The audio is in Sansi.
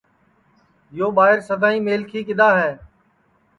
یو ٻائیر سدائیں میلکھی کِدؔا ہے